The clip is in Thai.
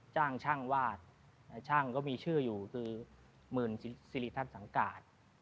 จ้างช่างวาดช่างก็มีชื่ออยู่คือหมื่นสิริทัศนสังกาศ